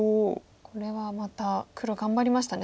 これはまた黒頑張りましたね。